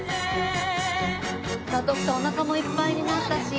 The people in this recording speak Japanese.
さあ徳さんおなかもいっぱいになったし。